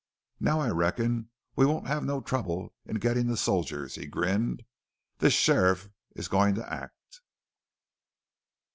"Now, I reckon we won't have no trouble in gettin' the soldiers," he grinned. "This sheriff is goin' to act!"